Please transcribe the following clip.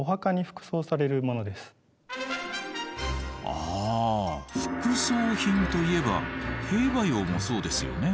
あ副葬品といえば兵馬俑もそうですよね。